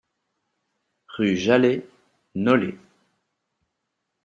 Rue Jalhay, Nolay